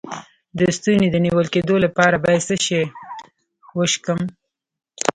د ستوني د نیول کیدو لپاره باید څه شی وڅښم؟